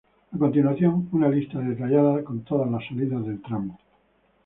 A continuación, una lista detallada con todas las salidas del tramo